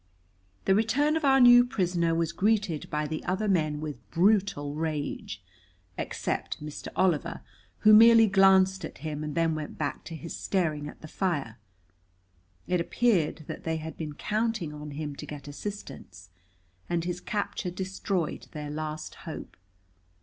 The return of our new prisoner was greeted by the other men with brutal rage, except Mr. Oliver, who merely glanced at him and then went back to his staring at the fire. It appeared that they had been counting on him to get assistance, and his capture destroyed their last hope.